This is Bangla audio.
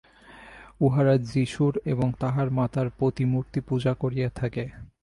উহারা যীশুর এবং তাঁহার মাতার প্রতিমূর্তি পূজা করিয়া থাকে।